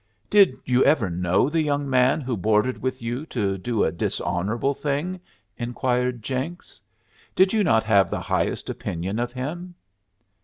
"Did you ever know the young man who boarded with you to do a dishonorable thing?" inquired Jenks. "Did you not have the highest opinion of him?"